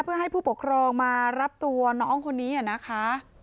เพื่อให้ผู้ปกครองมารับตัวน้องคนนี้นะคะ